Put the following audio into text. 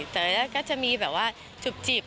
แต่ก็จะมีแบบว่าจุบ